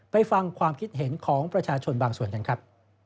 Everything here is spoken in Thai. ไปฟังความคิดเห็นของประชาชนบางส่วนกันครับ